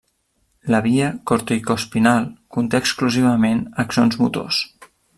La via corticoespinal conté exclusivament axons motors.